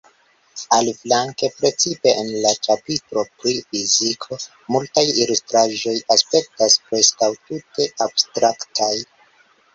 Aliflanke, precipe en la ĉapitro pri “fiziko,” multaj ilustraĵoj aspektas preskaŭ tute abstraktaj.